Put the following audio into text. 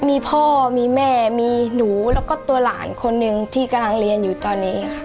มีพ่อมีแม่มีหนูแล้วก็ตัวหลานคนหนึ่งที่กำลังเรียนอยู่ตอนนี้ค่ะ